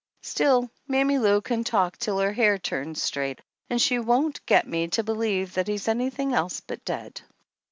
Still, Mammy Lou can talk till her hair turns straight and she won't get me to be lieve that he's anything else but dead.